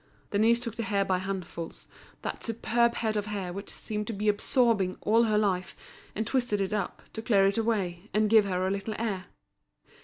Denise took the hair by handfuls, that superb head of hair which seemed to be absorbing all her life, and twisted it up, to clear it away, and give her a little air.